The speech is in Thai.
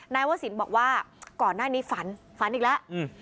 วสินบอกว่าก่อนหน้านี้ฝันฝันอีกแล้วอืม